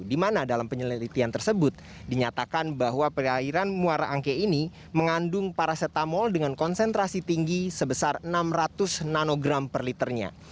di mana dalam penyelidikan tersebut dinyatakan bahwa perairan muara angke ini mengandung paracetamol dengan konsentrasi tinggi sebesar enam ratus nanogram per liternya